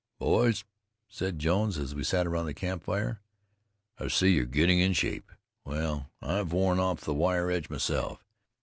"Boys," said Jones, as we sat round the campfire, "I see you're getting in shape. Well, I've worn off the wire edge myself.